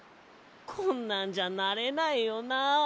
こんなんじゃなれないよな。